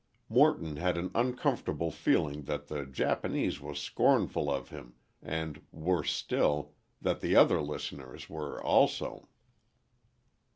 Morton had an uncomfortable feeling that the Japanese was scornful of him, and, worse still, that the other listeners were also.